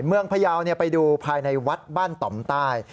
พยาวไปดูภายในวัดบ้านต่อมใต้